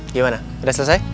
gimana sudah selesai